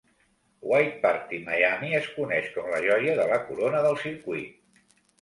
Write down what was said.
White Party Miami es coneix com la joia de la corona del circuit.